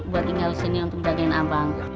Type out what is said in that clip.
buat tinggal disini untuk jagain abang